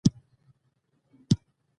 اس په پټه د چرګې خواړه خوړل.